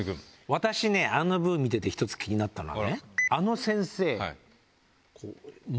私ねあのＶＴＲ見てて１つ気になったのはね。